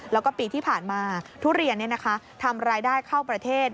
แล้วก็ปีที่ผ่านมาทุเรียนทำรายได้เข้าประเทศ